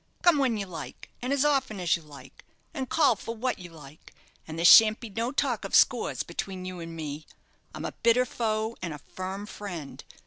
Come when you like, and as often as you like, and call for what you like; and there shan't be no talk of scores between you and me. I'm a bitter foe, and a firm friend.